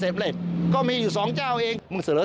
การตั้งเงื่อนไขผู้เข้าประมูลมีความขัดแย้งในส่วนคุณสมบัติดังกล่าวว่า